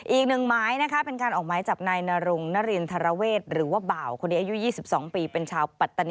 อีกหนึ่งมายนะคะเป็นการออกมายจับนายนรุงนารินธาราเวทหรือว่าเบ่า